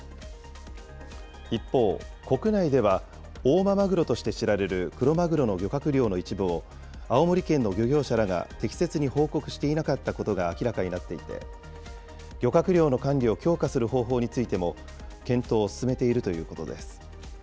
一方、国内では、大間まぐろとして知られる、クロマグロの漁獲量の一部を、青森県の漁業者らが適切に報告していなかったことが明らかになっていて、漁獲量の管理を強化する方法についても、検討を進めているということです。